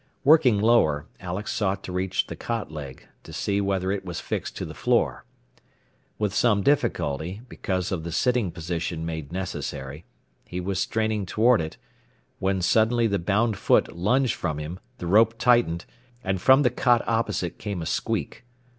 Working lower, Alex sought to reach the cot leg, to see whether it was fixed to the floor. With some difficulty, because of the sitting position made necessary, he was straining toward it, when suddenly the bound foot lunged from him, the rope tightened, and from the cot opposite came a squeak.